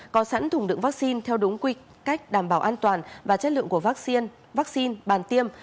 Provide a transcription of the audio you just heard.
có sẵn thùng đựng vaccine theo đúng quy cách đảm bảo an toàn và chất lượng của vaccine vaccine bàn tiêm